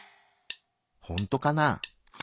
ほんとかな？